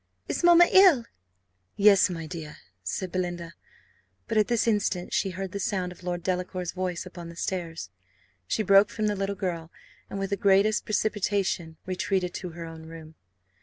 Is mamma ill?" "Yes, my dear," said Belinda. But at this instant she heard the sound of Lord Delacour's voice upon the stairs; she broke from the little girl, and with the greatest precipitation retreated to her own room.